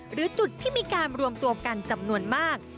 หรือจุดที่มีการรวมตัวกันจำนวนมาก